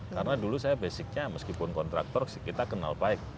karena dulu saya basicnya meskipun kontraktor sih kita kenal baik